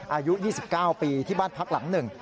อายุ๒๙ปีที่บ้านพักหลังหนึ่ง